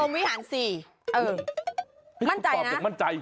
มั่นใจนะ